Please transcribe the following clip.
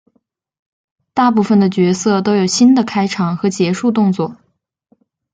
大部分的角色都有新的开场和结束动作。